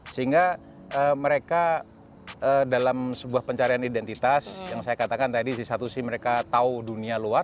sehingga mereka dalam sebuah pencarian identitas yang saya katakan tadi di satu sisi mereka tahu dunia luar